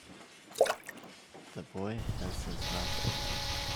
The boy has his mouth open